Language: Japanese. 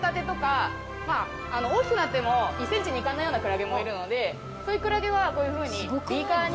大きくなっても１ｃｍにいかないようなクラゲもいるのでそういうクラゲはこういうふうにビーカーに。